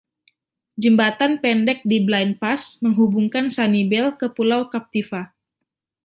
Jembatan pendek di Blind Pass menghubungkan Sanibel ke Pulau Captiva.